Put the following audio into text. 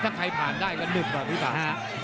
ถ้าใครผ่านได้งั้นนึงอ่ะพี่ประหัก